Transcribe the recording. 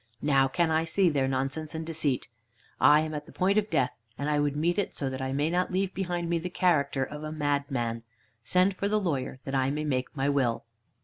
Now can I see their nonsense and deceit. I am at the point of death, and I would meet it so that I may not leave behind me the character of a madman. Send for the lawyer, that I may make my will."